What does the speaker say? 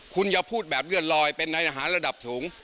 คุณอย่าพูดแบบเลื่อนลอยเป็นในทหารระดับสูง